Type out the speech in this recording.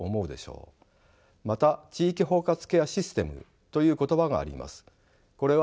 また地域包括ケアシステムという言葉があります。